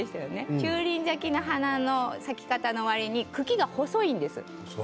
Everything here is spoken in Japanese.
中輪咲きの咲き方のわりに茎が細いんです。